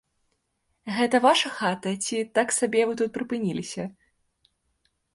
Гэта ваша хата ці так сабе вы тут прыпыніліся?